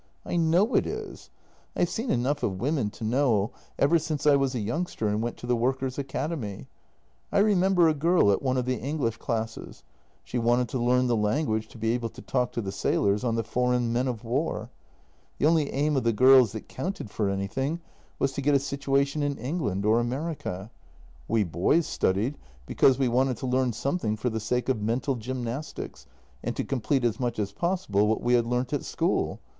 I know it is. I have seen enough of women to know, ever since I was a youngster and went to the workers' academy. I remember a girl at one of the English classes; she wanted to learn the language to be able to talk to the sailors on the foreign men of war. The only aim of the girls that counted for any thing was to get a situation in England or America. We boys studied because we wanted to learn something for the sake of mental gymnastics and to complete as much as possible what we had learnt at school.